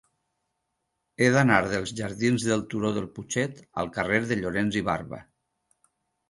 He d'anar dels jardins del Turó del Putxet al carrer de Llorens i Barba.